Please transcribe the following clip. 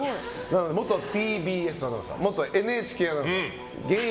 元ＴＢＳアナウンサー元ＮＨＫアナウンサー現役